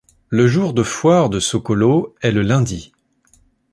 Le jour de foire de Sokolo est le lundi.